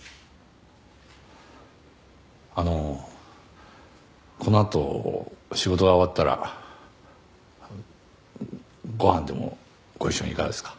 あのこのあと仕事が終わったらご飯でもご一緒にいかがですか？